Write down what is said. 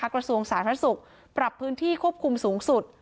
ประสูงศาสนภัทรศุกรปรับพื้นที่ควบคุมสูงสุด